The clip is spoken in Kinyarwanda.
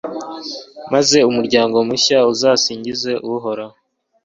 maze umuryango mushya uzasingize Uhoraho